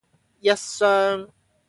一雙